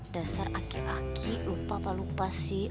dasar aki aki lupa apa lupa sih